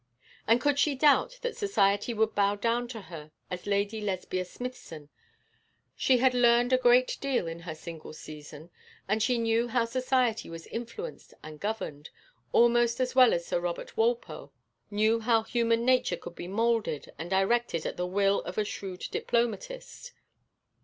And could she doubt that society would bow down to her as Lady Lesbia Smithson? She had learned a great deal in her single season, and she knew how society was influenced and governed, almost as well as Sir Robert Walpole knew how human nature could be moulded and directed at the will of a shrewd diplomatist.